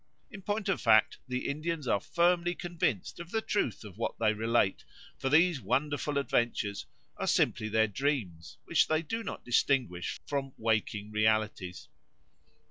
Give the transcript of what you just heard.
In point of fact the Indians are firmly convinced of the truth of what they relate; for these wonderful adventures are simply their dreams, which they do not distinguish from waking realities.